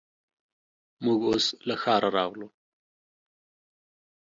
موږ اوس له ښاره راغلو.